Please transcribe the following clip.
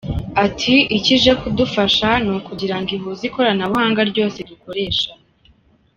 Ati” Icyo ije kudufasha ni ukugira ngo ihuze ikoranabuhanga ryose dukoresha.